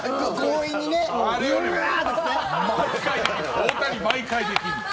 大谷、毎回できるの。